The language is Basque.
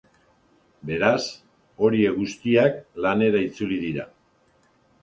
Beraz, horiek guztiak lanera itzuli dira.